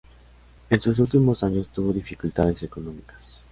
En sus últimos años tuvo dificultades económicas.